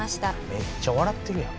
めっちゃ笑ってるやん。